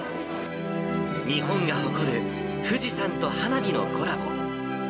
日本が誇る富士山と花火のコラボ。